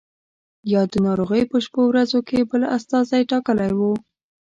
یا د ناروغۍ په شپو ورځو کې بل استازی ټاکلی وو.